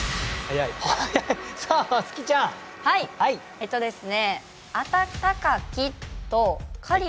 えっとですね